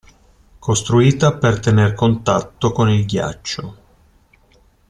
Costruita per tener contatto con il ghiaccio.